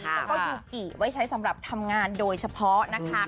แล้วก็ยูกิไว้ใช้สำหรับทำงานโดยเฉพาะนะคะ